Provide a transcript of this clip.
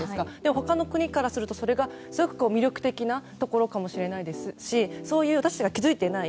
他の国からするとそれがすごく魅力的なところかもしれないですし私たちが気づいていない